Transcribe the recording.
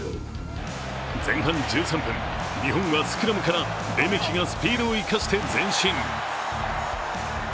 前半１３分、日本はスクラムからレメキがスピードを生かして前進。